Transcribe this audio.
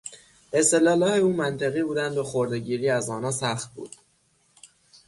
استدلالهای او منطقی بودند و خردهگیری از آنها سخت بود.